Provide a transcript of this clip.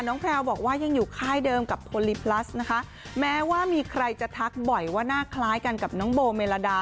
แพลวบอกว่ายังอยู่ค่ายเดิมกับโพลิพลัสนะคะแม้ว่ามีใครจะทักบ่อยว่าหน้าคล้ายกันกับน้องโบเมลาดา